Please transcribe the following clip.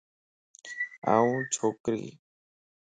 آن ڇوڪري